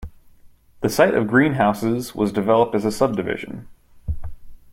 The site of the greenhouses was developed as a subdivision.